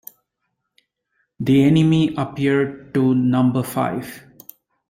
The enemy appeared to number five.